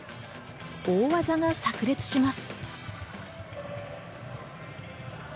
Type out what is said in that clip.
大技が炸裂します。